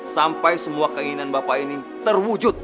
sampai semua keinginan bapak ini terwujud